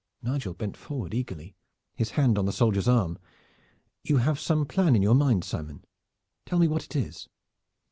Nigel bent forward eagerly, his hand on the soldier's arm. "You have some plan in your mind, Simon. Tell me what it is."